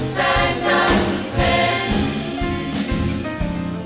แสงจันทร์เห็น